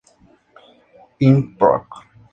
In Proc.